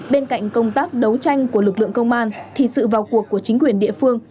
bên cạnh công tác đấu tranh của lực lượng công an thì sự vào cuộc của chính quyền địa phương